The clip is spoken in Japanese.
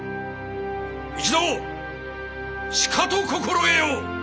一同しかと心得よ。